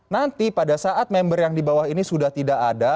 nanti pada saat member yang di bawah ini sudah tidak ada